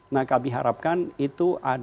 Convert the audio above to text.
nah kami harapkan itu bisa berjalan